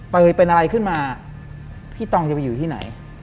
เป็นอะไรขึ้นมาพี่ตองจะไปอยู่ที่ไหน